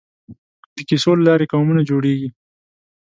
د کیسو له لارې قومونه جوړېږي.